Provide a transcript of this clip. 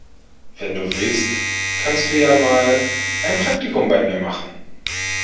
Wenn du willst, kannst du ja mal ein Praktikum bei mir machen.